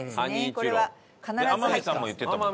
天海さんも言ってたもん。